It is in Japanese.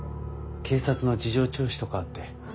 警察の事情聴取とかあって。